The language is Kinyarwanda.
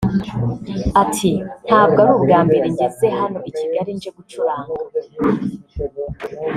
Ati “Ntabwo ari ubwa mbere ngeze hano i Kigali nje gucuranga